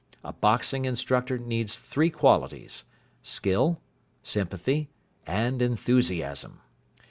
A boxing instructor needs three qualities skill, sympathy, and enthusiasm.